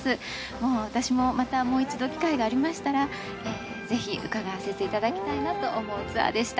もう私もまたもう一度機会がありましたらぜひ伺わせていただきたいなと思うツアーでした。